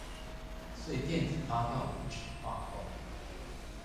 所以電子發票無紙化後